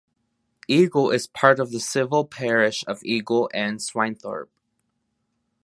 Eagle is part of the civil parish of Eagle and Swinethorpe.